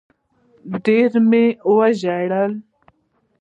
ډېر مي وژړل